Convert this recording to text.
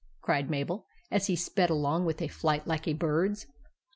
" cried Mabel, as he sped along with a flight like a bird's.